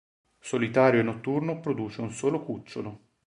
Solitario e notturno, produce un solo cucciolo.